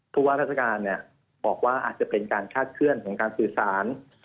ผู้ว่าราชการบอกว่าอาจจะเป็นการคาดเคลื่อนของการสื่อสาร